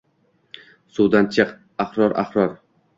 Suvdan chiq, Ahror, Ahror